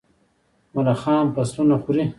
ملخان فصلونه خوري.